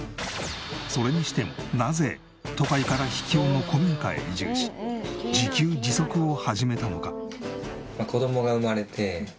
それにしてもなぜ都会から秘境の古民家へ移住し自給自足を始めたのか？